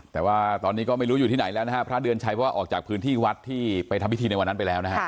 แต่ว่าตอนนี้ก็ไม่รู้อยู่ที่ไหนแล้วนะฮะพระเดือนชัยเพราะว่าออกจากพื้นที่วัดที่ไปทำพิธีในวันนั้นไปแล้วนะฮะ